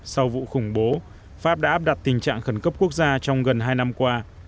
sau vụ khủng bố pháp đã áp đặt tình trạng khẩn cấp quốc gia trong gần hai năm qua